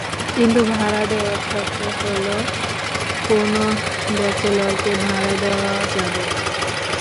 কিন্তু ভাড়া দেওয়ার শর্ত হলো, কোনো ব্যাচেলরকে ভাড়া দেওয়া যাবে না।